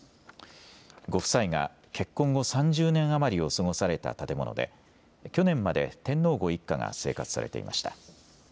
ご夫妻が結婚後３０年余りを過ごされた建物で去年まで天皇ご一家が生活されていました。